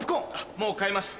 もう買いました。